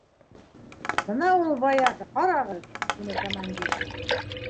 — Бына ул, вояка, ҡарағыҙ! — тине командир.